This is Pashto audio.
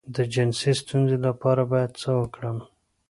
د جنسي ستونزې لپاره باید څه وکړم؟